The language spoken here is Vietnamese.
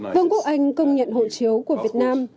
vương quốc anh công nhận hộ chiếu của việt nam